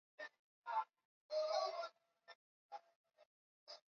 ili kujua lengo la wanamgambo hawa mwandishi wetu wa jijini kampala dennis sigoro anakuarifu